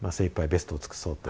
ベストを尽くそうと。